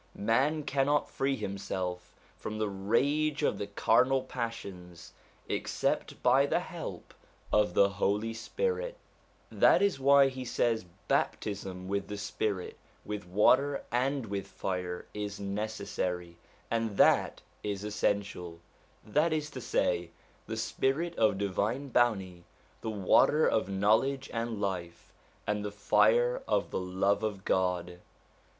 Man cannot free himself from the rage of the carnal passions except by the help of the Holy Spirit. That 106 SOME ANSWERED QUESTIONS is why he says baptism with the spirit, with water, and with fire is necessary, and that it is essential ; that is to say, the spirit of divine bounty, the water of knowledge and life, and the fire of the love of God.